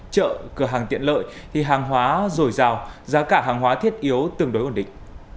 chợ cửa hàng tiện lợi thì hàng hóa dồi dào giá cả hàng hóa thiết yếu tương đối ổn định